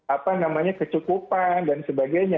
apa namanya kecukupan dan sebagainya